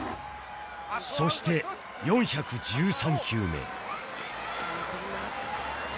そして４１３球目